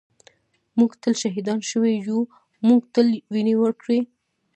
ًٍمونږ تل شهیدان شوي یُو مونږ تل وینې ورکــــړي